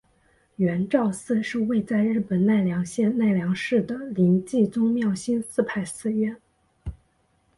圆照寺是位在日本奈良县奈良市的临济宗妙心寺派寺院。